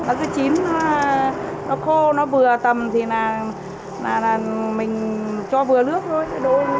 đậu cứ chín nó khô nó vừa tầm thì là mình cho vừa nước thôi đậu nó chín đều là dẻo nó thơm như thế này là được rồi